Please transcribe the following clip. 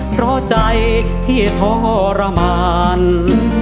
เพราะใจที่ทรมานขอให้นานจะผ่านสิ้นลม